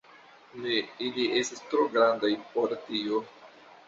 Ne, ili estas tro grandaj por tio